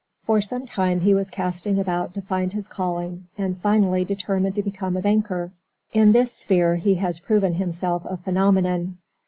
For some time he was casting about to find his calling, and finally determined to become a banker. In this sphere he has proven himself a phenomenon.